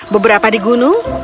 beberapa di gunung